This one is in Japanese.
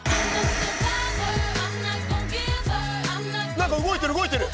何か動いてる動いてる！